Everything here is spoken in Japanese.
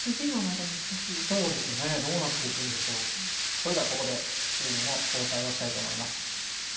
それではここでチームの交代をしたいと思います。